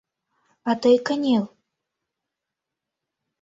А тый кынел...